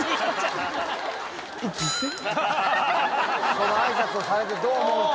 その挨拶をされてどう思うか。